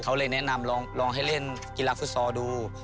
เขาเลยแนะนำลองให้เล่นกีฬาฟุตซอลดู